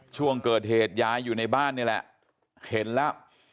ช่วงเกิดเหตุยายอยู่ในบ้านนี่แหละเห็นแล้ว